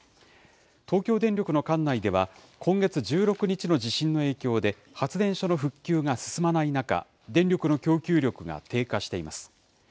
東京電力の管内では、今月１６日の地震の影響で、発電所の復旧が進まない中、電力の供給力が低下しています。